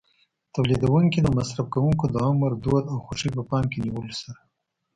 تولیدوونکي د مصرف کوونکو د عمر، دود او خوښۍ په پام کې نیولو سره.